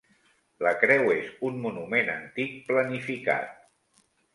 La creu és un monument antic planificat.